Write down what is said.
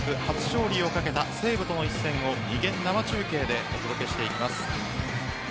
初勝利をかけた西武との一戦を二元生中継でお届けしていきます。